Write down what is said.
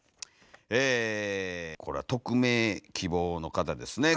これは匿名希望の方ですね。